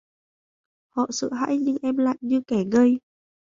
Họ sợ hãi nhưng em lại như kẻ ngây